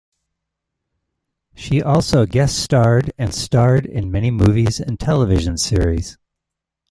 She also guest starred and starred in many movies and television series.